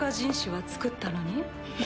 はっ！